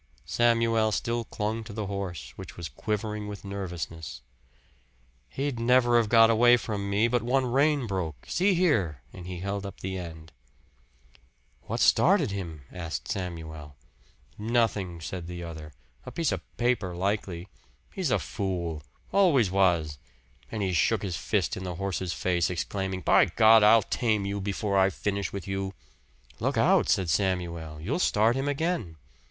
Samuel still clung to the horse, which was quivering with nervousness. "He'd never have got away from me, but one rein broke. See here!" And he held up the end. "What started him?" asked Samuel. "Nothing," said the other "a piece of paper, likely. He's a fool always was." And he shook his fist in the horse's face, exclaiming, "By God, I'll tame you before I finish with you!" "Look out!" said Samuel. "You'll start him again!"